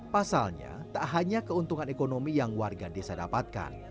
pasalnya tak hanya keuntungan ekonomi yang warga desa dapatkan